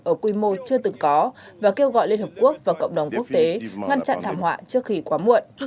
ở quy mô chưa từng có và kêu gọi liên hợp quốc và cộng đồng quốc tế ngăn chặn thảm họa trước khi quá muộn